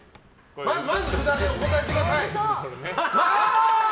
まず札でお答えください。